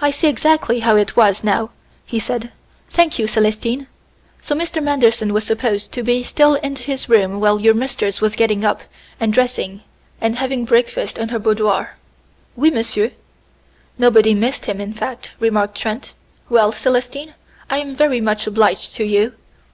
"I see exactly how it was now," he said. "Thank you, Célestine. So Mr. Manderson was supposed to be still in his room while your mistress was getting up, and dressing, and having breakfast in her boudoir." "Oui, monsieur." "Nobody missed him, in fact," remarked Trent. "Well, Célestine, I am very much obliged to you."